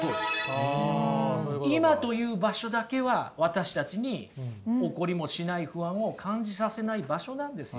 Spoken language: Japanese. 今という場所だけは私たちに起こりもしない不安を感じさせない場所なんですよ。